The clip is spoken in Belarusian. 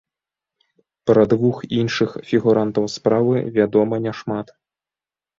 Пра двух іншых фігурантаў справы вядома няшмат.